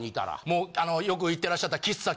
もうよく行ってらっしゃった。